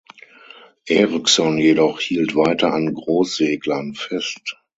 Erikson jedoch hielt weiter an Großseglern fest.